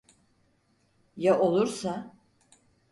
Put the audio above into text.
Ya olursa?